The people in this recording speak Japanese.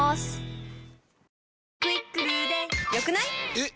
えっ！